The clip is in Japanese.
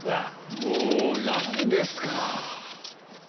もうなんですか？